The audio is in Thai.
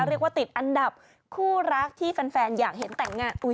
เรียกว่าติดอันดับคู่รักที่แฟนอยากเห็นแต่งงาน